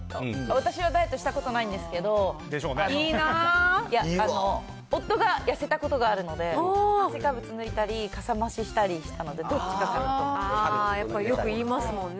私はダイエットしたことないんですけど、夫が痩せたことがあるので、炭水化物抜いたり、かさ増ししたりしたので、やっぱりよく言いますもんね。